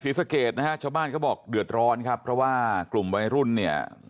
สะเกดนะฮะชาวบ้านเขาบอกเดือดร้อนครับเพราะว่ากลุ่มวัยรุ่นเนี่ย